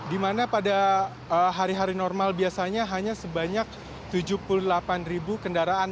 di mana pada hari hari normal biasanya hanya sebanyak tujuh puluh delapan ribu kendaraan